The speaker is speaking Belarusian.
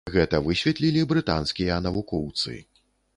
Гэта высветлілі брытанскія навукоўцы.